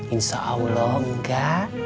insya allah engga